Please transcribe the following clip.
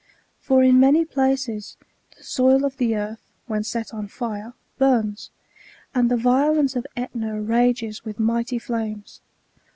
For in many places, the soil of the earth, when set on fire, bums ; and the violence of ^tna rages with mighty flames.